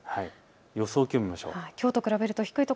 予想気温を見ましょう。